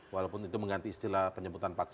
walaupun itu mengganti istilah penyebutan paksa tadi